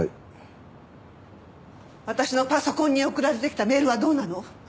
私のパソコンに送られてきたメールはどうなの？